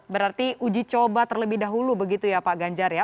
berarti uji coba terlebih dahulu begitu ya pak ganjar ya